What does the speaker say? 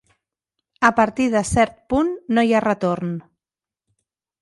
A partir de cert punt no hi ha retorn.